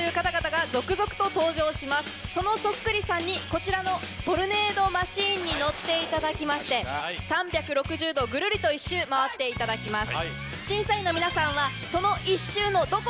そのそっくりさんにこちらのトルネードマシンに乗っていただき３６０度ぐるりと１周回っていただきます。